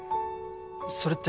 それって。